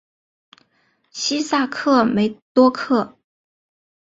西萨克梅多克。